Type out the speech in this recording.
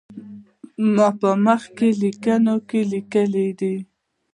ما په مخکینی لیکنه کې لیکلي دي.